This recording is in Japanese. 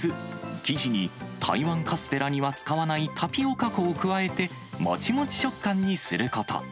生地に台湾カステラには使わないタピオカ粉を加えて、もちもち食感にすること。